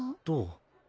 どう？